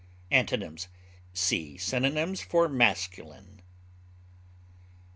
Antonyms: See synonyms for MASCULINE.